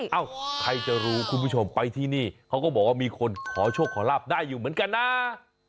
เอ้าใครจะรู้คุณผู้ชมไปที่นี่เขาก็บอกว่ามีคนขอโชคขอลาบได้อยู่เหมือนกันนะ